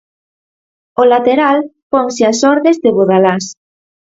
O lateral ponse ás ordes de Bodalás.